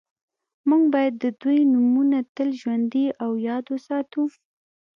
موږ باید د دوی نومونه تل ژوندي او یاد وساتو